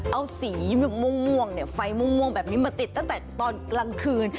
เอาสีม่วงไฟม่วงแบบนี้มาติดตั้งแต่ตอนกลางคืน